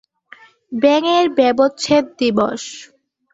ব্যাঙয়ের ব্যবচ্ছেদ দিবস।